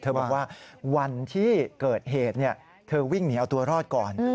บอกว่าวันที่เกิดเหตุเธอวิ่งหนีเอาตัวรอดก่อน